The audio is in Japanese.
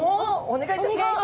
お願いいたします！